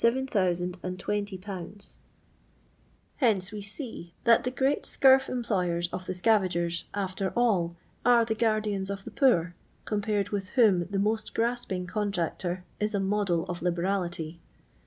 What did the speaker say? . £7,020 Hence we see, that the great scurf employers of the scavagers, after all, are the guardians of the poor, compared with whom the most grasping contractor is a model of liberality.